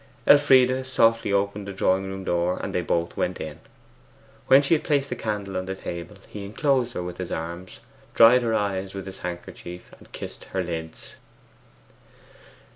Elfride softly opened the drawing room door and they both went in. When she had placed the candle on the table, he enclosed her with his arms, dried her eyes with his handkerchief, and kissed their lids.